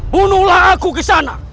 bunuhlah aku di sana